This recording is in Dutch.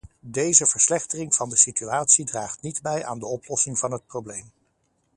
Deze verslechtering van de situatie draagt niet bij aan de oplossing van het probleem.